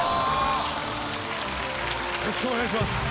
よろしくお願いします。